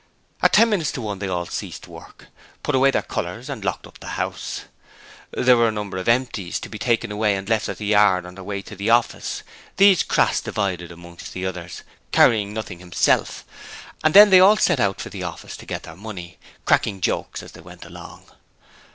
At ten minutes to one they all ceased work, put away their colours and locked up the house. There were a number of 'empties' to be taken away and left at the yard on their way to the office; these Crass divided amongst the others carrying nothing himself and then they all set out for the office to get their money, cracking jokes as they went along.